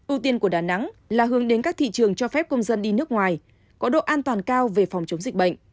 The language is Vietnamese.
ưu tiên của đà nẵng là hướng đến các thị trường cho phép công dân đi nước ngoài có độ an toàn cao về phòng chống dịch bệnh